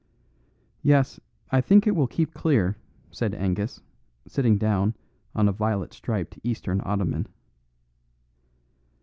"Yes, I think it will keep clear," said Angus, sitting down on a violet striped Eastern ottoman.